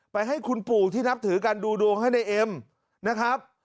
ให้คุณปู่ที่นับถือกันดูดวงให้ในเอ็มนะครับ